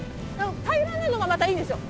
平らなのがまたいいんですよ。